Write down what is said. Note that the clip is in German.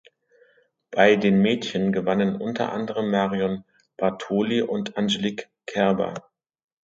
Bei den Mädchen gewannen unter anderem Marion Bartoli und Angelique Kerber.